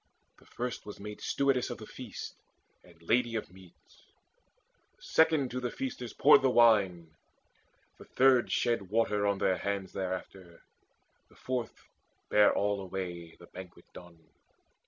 The first was made Stewardess of the feast and lady of meats; The second to the feasters poured the wine; The third shed water on their hands thereafter; The fourth bare all away, the banquet done.